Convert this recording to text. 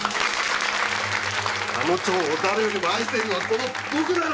あの蝶を誰よりも愛しているのはこの僕なのに！